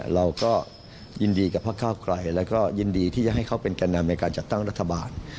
เราก็ยินดีกับพระเก้าไกรแล้วก็ยินดีที่จะให้เขาเป็นแก่นำในการจัดตั้งรัฐบาล